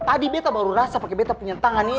tadi betah baru rasa pakai betah punya tangan ini